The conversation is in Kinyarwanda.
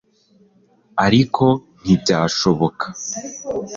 ariko ntibyashoboka